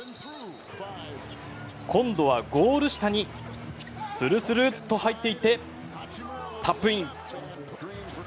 今度はゴール下にスルスルッと入っていってタップイン。